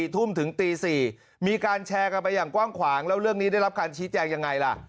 ทุ่มถึงตี๔มีการแชร์กันไปอย่างกว้างขวางแล้วเรื่องนี้ได้รับการชี้แจงยังไงล่ะ